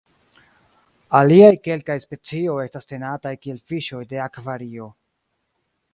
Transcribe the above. Aliaj kelkaj specioj estas tenataj kiel fiŝoj de akvario.